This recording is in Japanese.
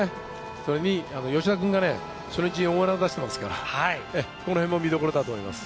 それに吉田君が初日大穴出してますから、このへんも見どころだと思います。